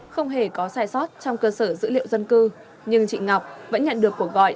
không hề có sai sót trong cơ sở dữ liệu dân cư nhưng chị ngọc vẫn nhận được cuộc gọi